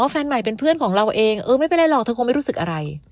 แฟนใหม่เป็นเพื่อนของเราเองเออไม่เป็นไรหรอกเธอคงไม่รู้สึกอะไร